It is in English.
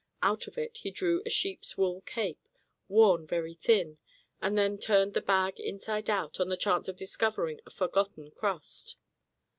Out of it he drew a sheep's wool cape, worn very thin, and then turned the bag inside out, on the chance of discovering a forgotten crust.